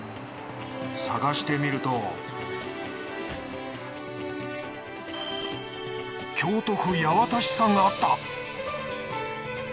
探してみると京都府八幡市産があった！